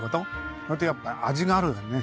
それとやっぱ味があるよね。